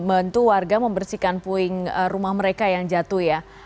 untuk warga membersihkan poing rumah mereka yang jatuh ya